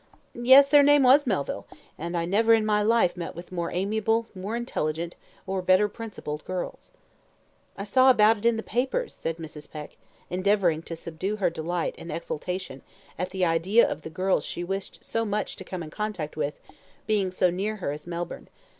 "Yes, their name was Melville, and I never in my life met with more amiable, more intelligent, or better principled girls." "I saw about it in the papers," said Mrs. Peck, endeavouring to subdue her delight and exultation at the idea of the girls she wished so much to come in contact with being so near her as Melbourne.